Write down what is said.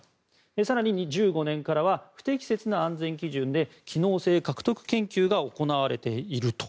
更に１５年からは不適切な安全基準で機能性獲得研究が行われていると。